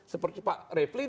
seperti pak refli